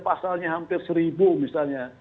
pasalnya hampir seribu misalnya